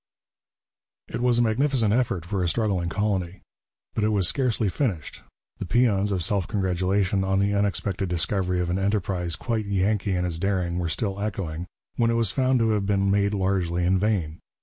It was a magnificent effort for a struggling colony. But it was scarcely finished the paeans of self congratulation on the unexpected discovery of an enterprise quite Yankee in its daring were still echoing when it was found to have been made largely in vain.